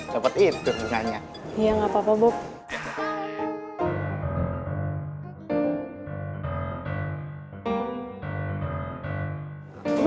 dapat itu bunganya iya nggak papa bob